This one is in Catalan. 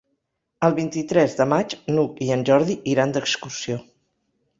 El vint-i-tres de maig n'Hug i en Jordi iran d'excursió.